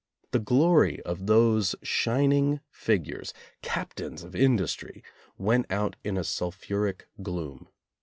The glory of those shining figures — cap tains of industry — went out in a sulphuric gloom.